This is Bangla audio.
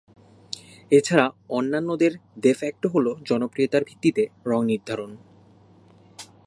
এছাড়া অন্যান্যদের দে ফ্যাক্টো হলো জনপ্রিয়তার ভিত্তিতে রঙ নির্ধারণ।